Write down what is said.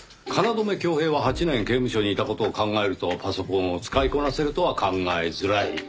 京匡平は８年刑務所にいた事を考えるとパソコンを使いこなせるとは考えづらい。